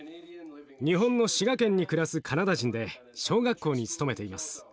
日本の滋賀県に暮らすカナダ人で小学校に勤めています。